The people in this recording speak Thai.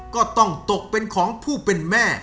ก็ต้องตกเป็นของผู้เป็นแม่